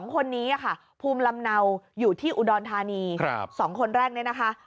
๒คนนี้ค่ะภูมิลำเนาอยู่ที่อุดรธานี๒คนแรกเนี่ยนะคะ